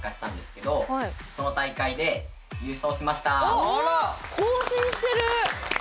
あら！更新してる！